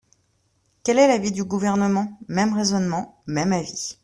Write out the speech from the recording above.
Quel est l’avis du Gouvernement ? Même raisonnement, même avis.